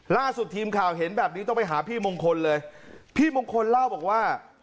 ล่าสุดทีมข่าวเห็นแบบนี้ต้องไปหาพี่มงคลเลยพี่มงคลเล่าบอกว่า